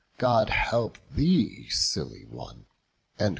God help thee, silly one!"